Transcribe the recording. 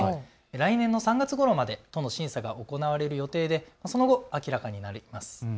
来年の３月ごろまで都の審査が行われる予定でその後、明らかになります。